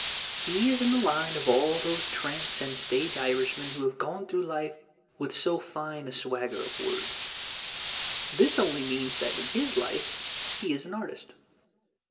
He is in the line of all those tramps and stage Irishmen who have gone through! life with so fine a swagger of words. This only means that in his life he is an artist.